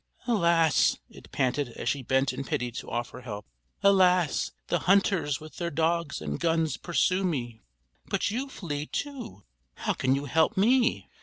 "Alas!" it panted as she bent in pity to offer help, "Alas! the hunters with their dogs and guns pursue me! But you flee, too! How can you help me?"